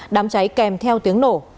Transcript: đám cháy kèm theo tiếng nổ